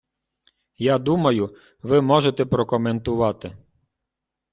Я думаю, ви можете прокоментувати.